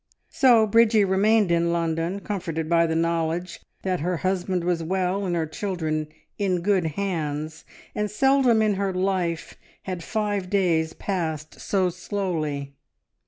So Bridgie remained in London, comforted by the knowledge that her husband was well and her children in good hands, and seldom in her life had five days passed so slowly.